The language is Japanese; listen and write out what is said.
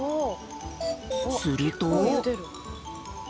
すると。